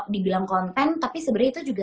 dibilang konten tapi sebenarnya itu juga